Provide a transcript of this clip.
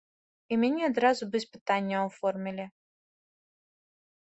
І мяне адразу без пытанняў аформілі.